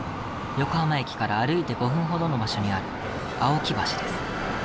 横浜駅から歩いて５分ほどの場所にある青木橋です。